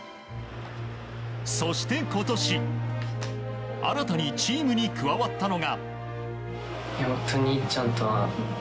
そして今年新たにチームに加わったのが。